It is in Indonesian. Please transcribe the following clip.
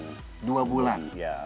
di dalam goa